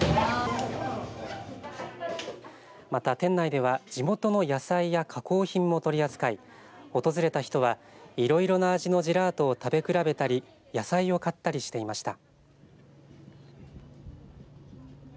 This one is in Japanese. また店内では地元の野菜や加工品も取り扱い訪れた人は、いろいろな味のジェラートを食べ比べたり野菜を買ったりしていました。